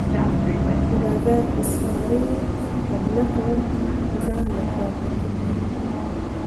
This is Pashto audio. د باز په څاړي حمله كول ځان له کار کتل دي۔